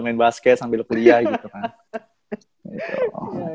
main basket sambil kuliah gitu kan